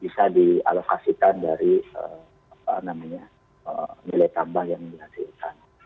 bisa dialokasikan dari nilai tambah yang dihasilkan